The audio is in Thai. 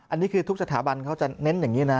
อันนี้คือทุกสถาบันเขาจะเน้นอย่างนี้นะ